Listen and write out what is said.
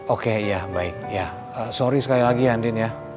oke ya baik ya sorry sekali lagi ya andin ya